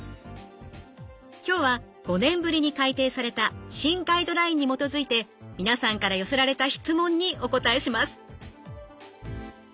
今日は５年ぶりに改訂された新ガイドラインに基づいて皆さんから寄せられた質問にお答えします。